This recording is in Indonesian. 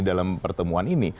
dalam pertemuan ini